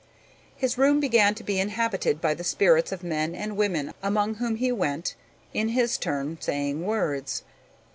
His room began to be inhabited by the spirits of men and women among whom he went, in his turn saying words.